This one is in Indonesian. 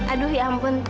aduh ya ampun